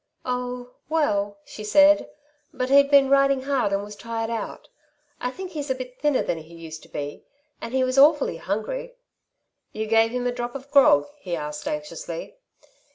"Oh, well," she said, "but he'd been riding hard and was tired out. I think he's a bit thinner than he used to be, and he was awfully hungry." "You gave him a drop of grog?" he asked, anxiously.